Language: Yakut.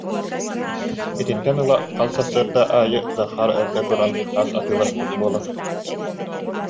Итинтэн ыла хас сарсыарда аайы Захар эрдэ туран ас атыыласпыт буолара